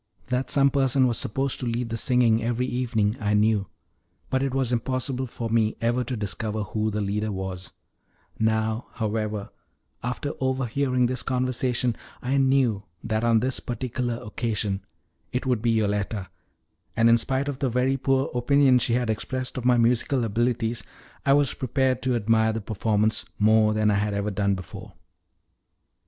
That some person was supposed to lead the singing every evening I knew, but it was impossible for me ever to discover who the leader was; now, however, after overhearing this conversation, I knew that on this particular occasion it would be Yoletta, and in spite of the very poor opinion she had expressed of my musical abilities, I was prepared to admire the performance more than I had ever done before.